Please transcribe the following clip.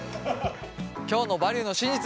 今日の「バリューの真実」